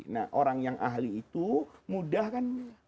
nah orang yang ahli itu mudah kan